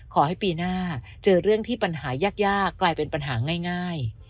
ขอให้ปีหน้าเจอเรื่องที่ปัญหายากกลายเป็นปัญหาง่าย